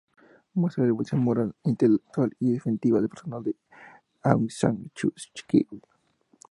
Muestra la evolución moral, intelectual y en definitiva personal de Aung San Suu Kyi.